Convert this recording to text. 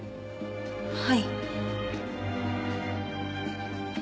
はい。